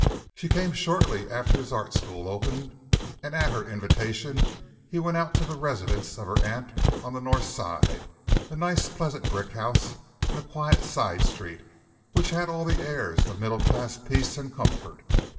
She came shortly after his art school opened, and at her invitation he went out to the residence of her aunt on the North Side, a nice, pleasant brick house in a quiet side street, which had all the airs of middle class peace and comfort.